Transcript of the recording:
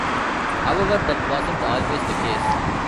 However, that wasn't always the case.